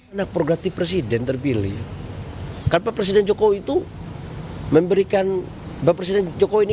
anak progratif presiden terpilih karena presiden jokowi itu memberikan bapak presiden jokowi ini